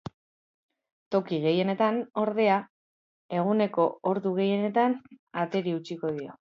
Toki gehienetan, ordea, eguneko ordu gehienetan ateri eutsiko dio.